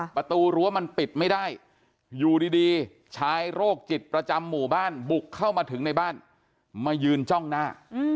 ประตูรั้วมันปิดไม่ได้อยู่ดีชายโรคจิตประจำหมู่บ้านบุกเข้ามาถึงในบ้านมายืนจ้องหน้า